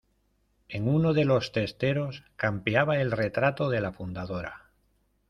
en uno de los testeros campeaba el retrato de la fundadora